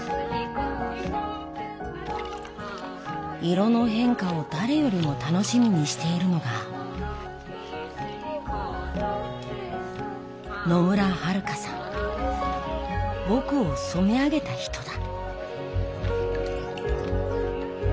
色の変化を誰よりも楽しみにしているのが僕を染め上げた人だ。